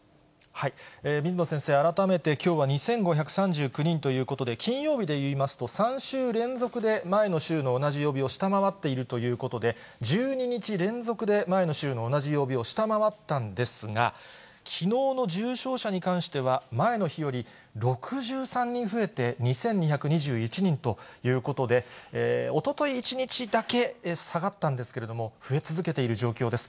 水野先生、改めてきょうは２５３９人ということで、金曜日でいいますと３週連続で前の週の同じ曜日を下回っているということで、１２日連続で前の週の同じ曜日を下回ったんですが、きのうの重症者に関しては、前の日より６３人増えて２２２１人ということで、おととい１日だけ下がったんですけれども、増え続けている状況です。